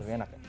lebih enak ya